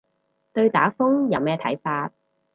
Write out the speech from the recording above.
對打風有咩睇法